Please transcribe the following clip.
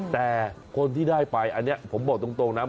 แต่คนที่ได้ไปอันนี้ผมบอกตรงนะ